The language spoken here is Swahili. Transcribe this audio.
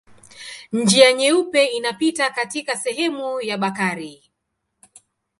Njia Nyeupe inapita katika sehemu ya Bakari.